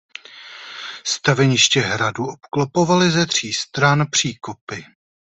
Staveniště hradu obklopovaly ze tří stran příkopy.